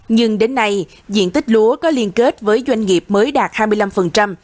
nhưng đến nay diện tích lúa có liên kết với doanh nghiệp mới đạt hai mươi năm